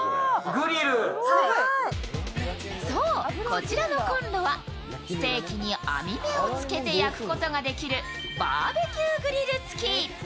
こちらのこんろはステーキに網目をつけて焼くことができるバーベキューグリル付き。